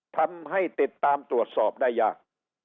ทำให้ติดตามตรวจสอบได้ยาก